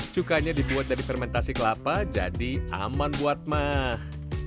cukanya dibuat dari fermentasi kelapa jadi aman buat mah